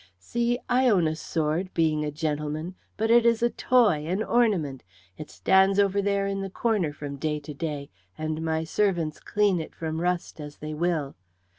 "See, I own a sword, being a gentleman. But it is a toy, an ornament; it stands over there in the corner from day to day, and my servants clean it from rust as they will.